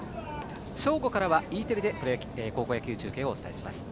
正午からはＥテレで高校野球中継をお伝えします。